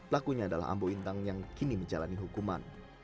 lakunya adalah ambo intang yang kini menjalani hukuman